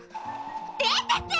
出てって！